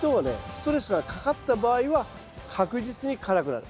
ストレスがかかった場合は確実に辛くなる。